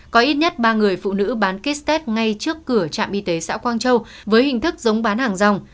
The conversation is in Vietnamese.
có ít nhất ba người phụ nữ bán kit test ngay trước cửa trạm y tế xã quang châu với hình thức giống bán hàng rong